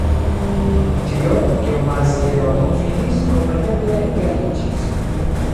Tio, kion Maziero antaŭvidis, kompreneble realiĝis.